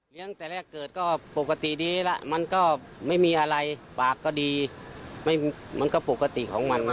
ตั้งแต่แรกเกิดก็ปกติดีแล้วมันก็ไม่มีอะไรปากก็ดีมันก็ปกติของมัน